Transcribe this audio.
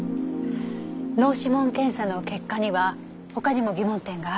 脳指紋検査の結果には他にも疑問点がある。